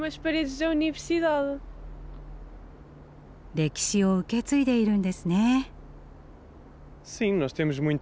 歴史を受け継いでいるんですね。